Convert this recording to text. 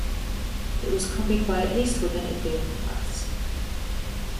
It was copied by at least women of the upper class.